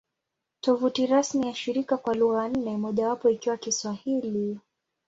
Tovuti rasmi ya shirika kwa lugha nne, mojawapo ikiwa Kiswahili